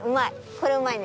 これうまいね。